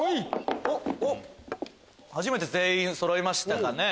初めて全員そろいましたかね。